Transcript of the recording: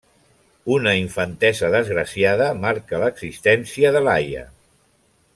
Una infantesa desgraciada marca l'existència de Laia.